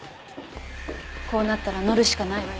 こうなったら乗るしかないわよ。